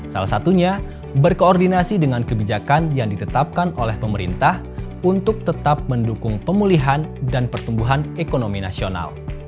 salah satunya berkoordinasi dengan kebijakan yang ditetapkan oleh pemerintah untuk tetap mendukung pemulihan dan pertumbuhan ekonomi nasional